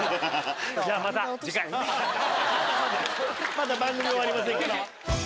まだ番組終わりませんから。